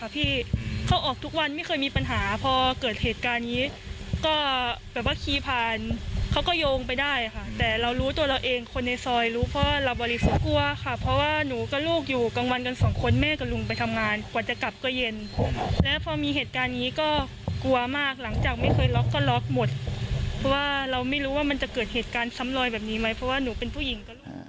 เพราะว่าเราไม่รู้ว่ามันจะเกิดเหตุการณ์ซ้ำลอยแบบนี้ไหมเพราะว่าหนูเป็นผู้หญิง